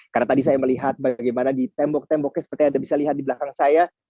karena tadi saya melihat bagaimana di tembok temboknya seperti anda bisa lihat di belakang saya